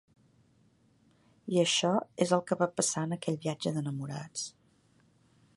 I això és el que va passar en aquell viatge d'enamorats.